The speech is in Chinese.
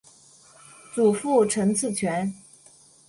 祖父陈赐全。